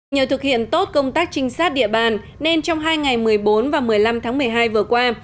nhờ thực hiện tốt công tác trinh sát địa bàn nên trong hai ngày một mươi bốn và một mươi năm tháng một mươi hai vừa qua